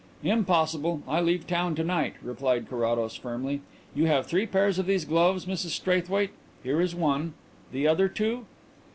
"Impossible; I leave town to night," replied Carrados firmly. "You have three pairs of these gloves, Mrs Straithwaite. Here is one. The other two